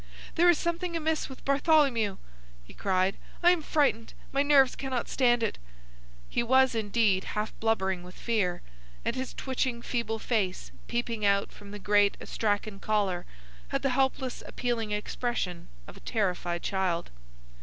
"There is something amiss with Bartholomew!" he cried. "I am frightened! My nerves cannot stand it." He was, indeed, half blubbering with fear, and his twitching feeble face peeping out from the great Astrakhan collar had the helpless appealing expression of a terrified child.